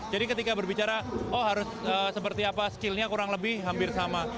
jadi ketika berbicara oh harus seperti apa skillnya kurang lebih hampir sama